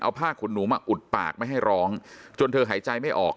เอาผ้าขนหนูมาอุดปากไม่ให้ร้องจนเธอหายใจไม่ออก